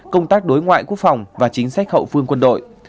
công tác đối ngoại quốc phòng và chính sách hậu phương quân đội